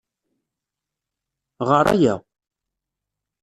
Ɣer aya.